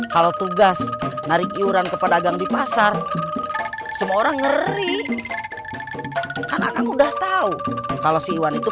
kalau tugas narik iuran kepada gang di pasar semua orang ngeri karena kamu udah tahu kalau siwan itu